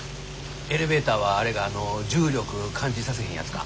エレベーターはあれか重力感じさせへんやつか？